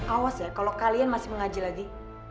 awas ya kalau kalian masih mengaji lagi